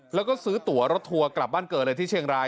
แล้วก็ซื้อตัวรถทัวร์กลับบ้านเกิดเลยที่เชียงราย